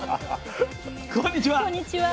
こんにちは。